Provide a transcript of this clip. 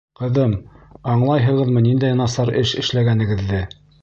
— Ҡыҙым, аңлайһығыҙмы ниндәй насар эш эшләгәнегеҙҙе?